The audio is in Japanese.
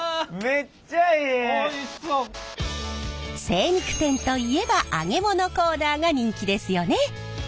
精肉店といえば揚げ物コーナーが人気ですよね。